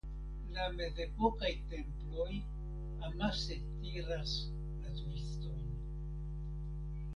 La mezepokaj temploj amase tiras la turistojn.